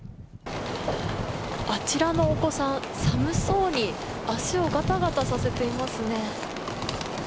あちらのお子さん、寒そうに足をがたがたさせていますね。